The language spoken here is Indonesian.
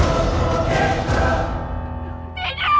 aku tidak tahu